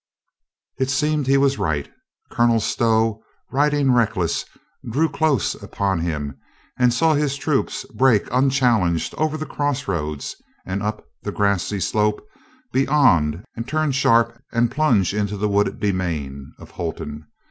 It seemed he was right. Colonel Stow, riding reckless, drew close upon him and saw his troops break unchallenged over the cross roads and up the grassy slope beyond and turn sharp and plunge into the wooded demesne of Holton.